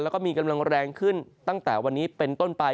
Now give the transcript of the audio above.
แล้วก็มีกำลังแรงขึ้นตั้งแต่วันนี้เป็นต้นไป